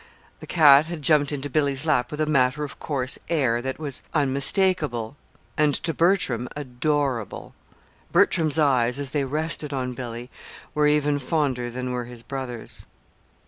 The cat had jumped into Billy's lap with a matter of course air that was unmistakable and to Bertram, adorable. Bertram's eyes, as they rested on Billy, were even fonder than were his brother's.